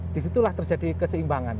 disitulah terjadi keseimbangan